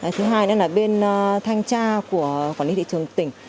thứ hai nữa là bên thanh tra của quản lý thị trường tỉnh